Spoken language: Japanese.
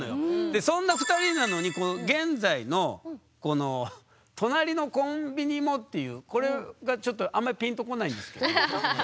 でそんな２人なのにこの現在の「隣のコンビニも」っていうこれがちょっとあんまりピンと来ないんですけど。